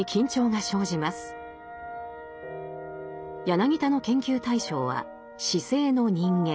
柳田の研究対象は市井の人間。